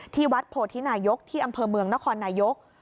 ที่วัดโพธินายกที่อำเภอเมืองนครนายก